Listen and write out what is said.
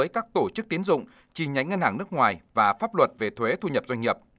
chỉ nhánh ngân hàng nước ngoài và pháp luật về thuế thu nhập doanh nghiệp